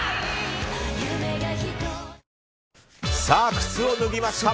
靴を脱ぎました。